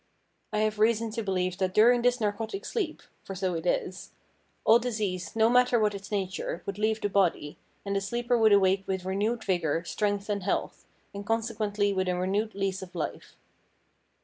I have reason to believe that during this narcotic sleep — for so it is — all disease, no matter what its nature, would leave the body, and the sleeper would awake with renewed vigour, strength and health, and consequently with a renewed lease of life.'